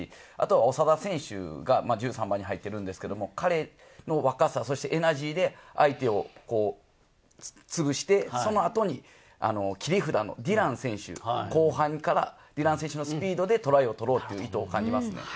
長田選手が１３番に入ってるんですけれど、彼の若さ、そしてエナジーで相手を潰して、その後に切り札のディラン選手、後半からディラン選手のスピードでトライを取ろうという意図を感じます。